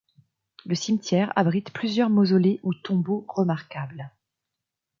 Le cimetière abrite plusieurs mausolées ou tombeaux remarquables.